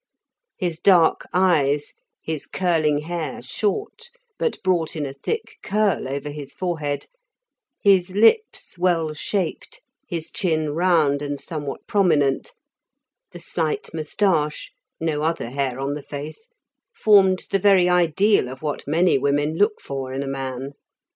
His dark eyes, his curling hair short but brought in a thick curl over his forehead, his lips well shaped, his chin round and somewhat prominent, the slight moustache (no other hair on the face), formed the very ideal of what many women look for in a man.